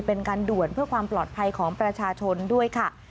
เป็นการด่วนเพื่อความปลอดภัยของประชาชนด้วยค่ะ